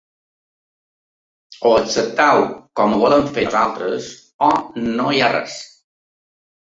O accepteu com ho volem fer nosaltres, o no hi ha res.